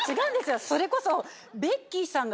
それこそ。